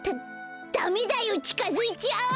ダダメだよちかづいちゃあっ！